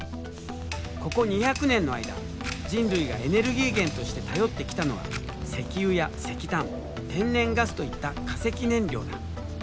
ここ２００年の間人類がエネルギー源として頼ってきたのは石油や石炭天然ガスといった化石燃料だ。